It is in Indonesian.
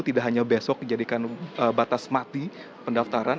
tidak hanya besok dijadikan batas mati pendaftaran